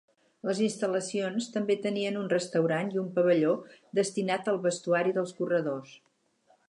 Les instal·lacions també tenien un restaurant i un pavelló destinat al vestuari dels corredors.